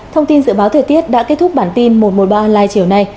thông tin dự báo thời tiết đã kết thúc bản tin một trăm một mươi ba online chiều nay